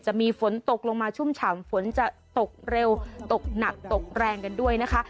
จะมีฝนตกลงมาชุ่มฉ่ำฝนจะตกเร็วตกหนักตกแรงกันด้วยนะคะ